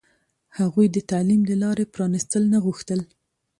هغوی د تعلیم د لارې پرانستل نه غوښتل.